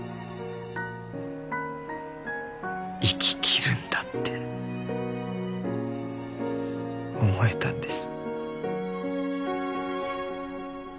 生き切るんだって思えたんです。